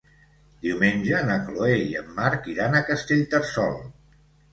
Diumenge na Chloé i en Marc iran a Castellterçol.